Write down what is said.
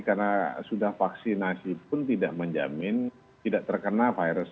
karena sudah vaksinasi pun tidak menjamin tidak terkena virus